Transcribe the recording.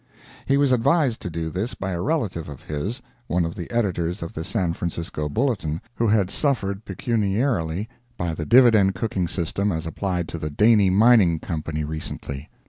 He was advised to do this by a relative of his, one of the editors of the San Francisco Bulletin, who had suffered pecuniarily by the dividend cooking system as applied to the Daney Mining Company recently.